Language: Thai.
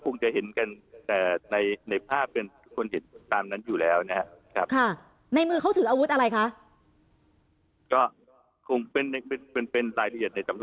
ในมือเขาถืออาวุธอะไรคะ